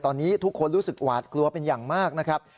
ตอนนี้ทุกคนรู้สึกหวาดกลัวเป็นอย่างมากนะครับ